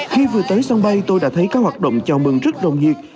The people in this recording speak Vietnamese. khi vừa tới sân bay tôi đã thấy các hoạt động chào mừng rất rồng nhiệt